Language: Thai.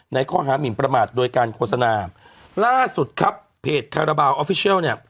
ในข้อหามินประมาทโดยการโฆษณาล่าสุดครับเพจคาราบาลเนี้ย